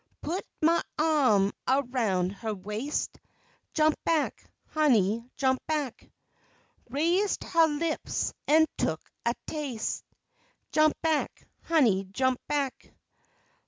Put my ahm aroun' huh wais', Jump back, honey, jump back. Raised huh lips an' took a tase, Jump back, honey, jump back.